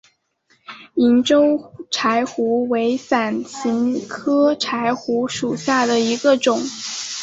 银州柴胡为伞形科柴胡属下的一个种。